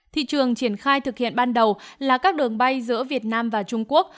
thị trường triển khai thực hiện ban đầu là các đường bay giữa việt nam và trung quốc